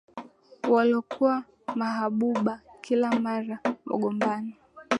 Walokuwa mahabuba, kila mara wagombana,